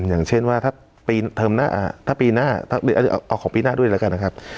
อย่างเช่นว่าถ้าปีหน้าเอาของปีหน้าด้วยแล้วกันนะครับ